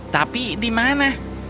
tapi di mana